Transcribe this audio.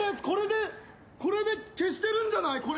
これでこれで消してるんじゃない？